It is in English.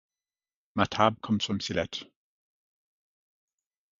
Mahtab comes from Sylhet.